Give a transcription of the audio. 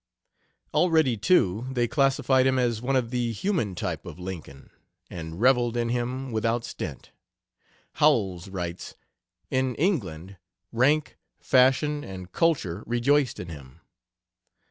Already, too, they classified him as of the human type of Lincoln, and reveled in him without stint. Howells writes: "In England, rank, fashion, and culture rejoiced in him.